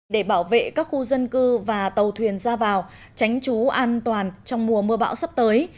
để bảo vệ các khu dân cư và tàu thuyền ra vào tránh trú an toàn trong mùa mưa bão sắp tới